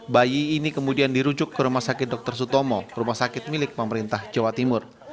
bayi ini kemudian dirujuk ke rumah sakit dr sutomo rumah sakit milik pemerintah jawa timur